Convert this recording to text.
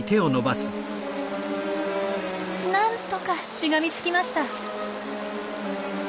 なんとかしがみつきました。